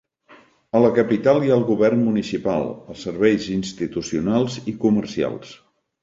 A la capital hi ha el govern municipal, els serveis institucionals i comercials.